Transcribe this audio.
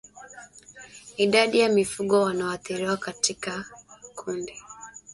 Idadi ya mifugo wanaoathiriwa katika kundi